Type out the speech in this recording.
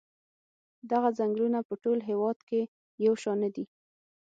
دغه څنګلونه په ټول هېواد کې یو شان نه دي.